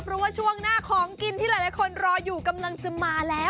เพราะว่าช่วงหน้าของกินที่หลายคนรออยู่กำลังจะมาแล้ว